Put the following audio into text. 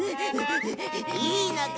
いいのか？